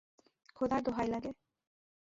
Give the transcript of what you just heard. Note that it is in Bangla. খোদার দোহাই লাগে!